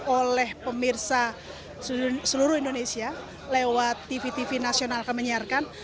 oleh pemirsa seluruh indonesia lewat tv tv nasional kami menyiarkan